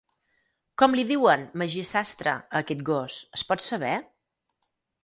¿Com li diuen, Magí sastre, a aquest gos, es pot saber?